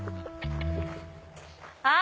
あっ！